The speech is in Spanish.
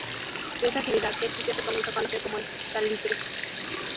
De esta actividad, el sitio se comenzó a conocer como El Salitre.